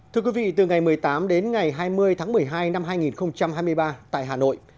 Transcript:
thưa quý vị từ ngày một mươi tám đến ngày hai mươi tháng một mươi hai năm hai nghìn hai mươi ba tại hà nội